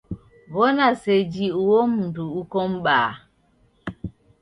Wona seji uo mundu uko m'baa